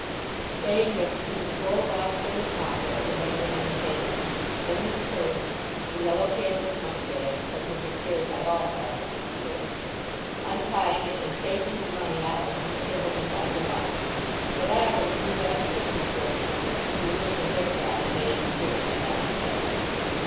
Saying this, he took his gold watch from his pocket and laid it on the table; then his purse—the yellow canvas moneybag, such as was carried by all farmers and dealers—untying it, and shaking the money out upon the table beside the watch. The latter he drew back quickly for an instant, to remove the hair guard made and given him by Lucetta.